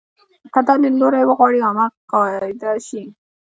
که دا لیدلوری وغواړي عامه قاعده شي.